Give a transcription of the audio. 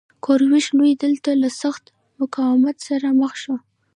کوروش لوی دلته له سخت مقاومت سره مخ شو